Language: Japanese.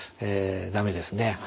駄目ですね。